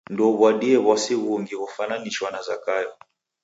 Ndouw'adie w'asi ghungi ghofwananishwa na Zakayo.